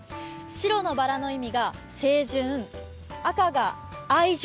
白のバラの意味が清純、赤が、愛情。